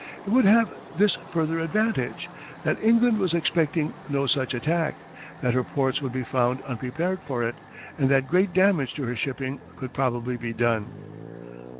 It would have this further advantage, that England was expecting no such attack, that her ports would be found unprepared for it, and that great damage to her shipping could probably be done.